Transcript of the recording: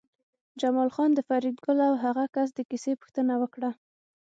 جمال خان د فریدګل او هغه کس د کیسې پوښتنه وکړه